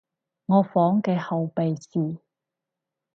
我房嘅後備匙